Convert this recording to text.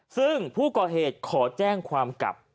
ซึ่งผู้ก่อเหตุขอแจ้งความกลับ